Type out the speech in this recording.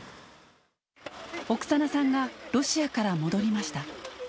オクサナさんがロシアから戻りました。